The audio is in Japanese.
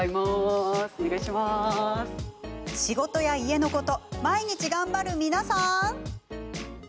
仕事や家のこと毎日、頑張る皆さん！